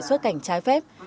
xuất cảnh trái phép